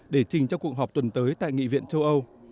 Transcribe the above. để trình cho cuộc họp tuần tới tại nghị viện châu âu